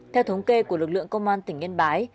theo thống kê của lực lượng công an tỉnh yên bái